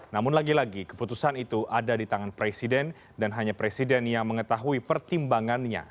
namun lagi lagi keputusan itu ada di tangan presiden dan hanya presiden yang mengetahui pertimbangannya